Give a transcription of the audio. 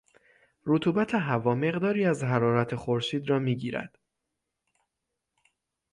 رطوبت هوا مقداری از حرارت خورشید را میگیرد.